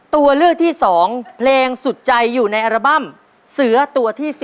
ตัวเลือกที่๒เพลงสุดใจอยู่ในอัลบั้มเสือตัวที่๔